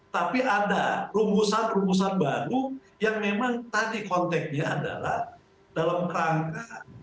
tapi ada rumusan rumusan baru yang memang tadi konteknya adalah dalam rangka